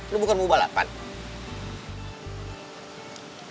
lo bukan mau balapan